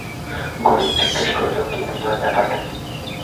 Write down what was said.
গোরা জিজ্ঞাসা করিল, কী বিনয়, ব্যাপারটা কী?